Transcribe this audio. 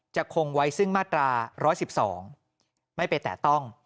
คงไว้ซึ่งมาตรา๑๑๒ไม่ไปแตะต้อง